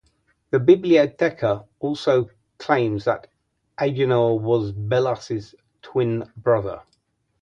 The "Bibliotheca" also claims that Agenor was Belus' twin brother.